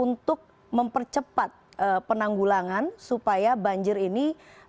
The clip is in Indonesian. untuk mempercepat penanggulangan supaya banjir ini